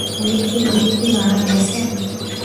উনি কি মারা গেছেন?